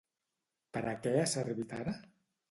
Per a què ha servit ara?